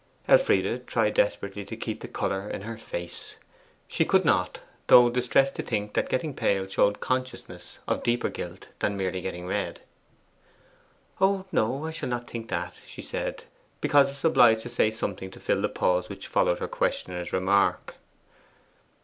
Elfride tried desperately to keep the colour in her face. She could not, though distressed to think that getting pale showed consciousness of deeper guilt than merely getting red. 'Oh no I shall not think that,' she said, because obliged to say something to fill the pause which followed her questioner's remark.